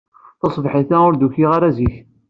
Taṣebḥit-a ur d-ukiɣ zik.